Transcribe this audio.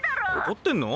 怒ってんの？